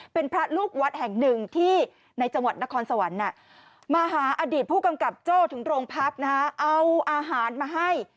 เป็นพระลูกวัดแห่งหนึ่งที่ในจังหวัดนครสวรรค์มาหาอดีตผู้กำกับโจ้ถึงโรงพักนะฮะเอาอาหารมาให้